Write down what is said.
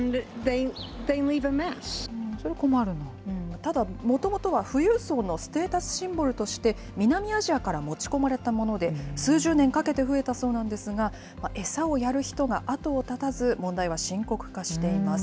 ただ、もともとは富裕層のステータスシンボルとして、南アジアから持ち込まれたもので、数十年かけて増えたそうなんですが、餌をやる人が後を絶たず、問題は深刻化しています。